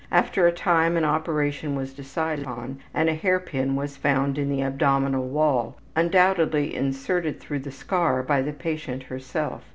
After a time an operation was decided upon and a hairpin was found in the abdominal wall, undoubtedly inserted through the scar by the patient herself.